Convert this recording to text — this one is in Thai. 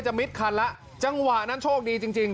มิดคันแล้วจังหวะนั้นโชคดีจริงจริง